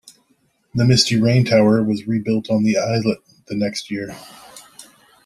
The Misty Rain tower was rebuilt on the islet the next year.